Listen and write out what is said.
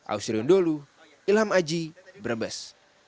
ausri undolu ilham aji brebes